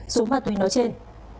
xuống ma túy nói trên